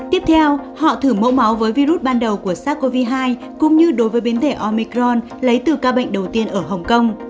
tiếp theo họ thử mẫu máu với virus ban đầu của sars cov hai cũng như đối với biến thể omicron lấy từ ca bệnh đầu tiên ở hồng kông